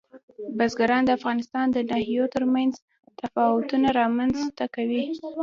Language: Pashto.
بزګان د افغانستان د ناحیو ترمنځ تفاوتونه رامنځ ته کوي.